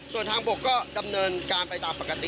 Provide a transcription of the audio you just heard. ส่วนทางบกก็ดำเนินการไปตามปกติ